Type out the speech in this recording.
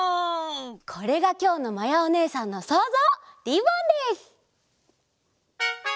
これがきょうのまやおねえさんのそうぞう「リボン」です。